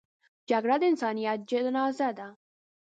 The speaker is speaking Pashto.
جګړه د انسانیت جنازه ده